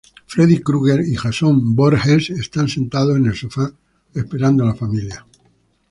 Freddy Krueger y Jason Voorhees están sentados en el sofá, esperando a la familia.